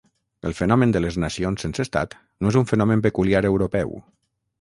El fenomen de les nacions sense estat no és un fenomen peculiar europeu.